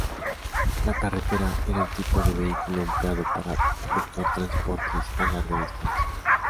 La carreta era el tipo de vehículo empleado para efectuar transportes a larga distancia.